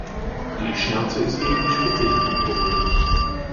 Die Schnauze ist gegen die Spitze hin abgerundet.